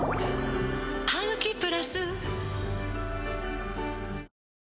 「ハグキプラス」